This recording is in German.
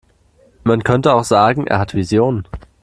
Man könnte auch sagen, er hat Visionen.